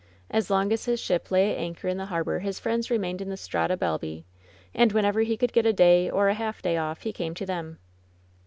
As long as his ship lay at anchor in the harbor his friends remained in the Strada Balbi. And whenever he could get a day or a half day off he came to them.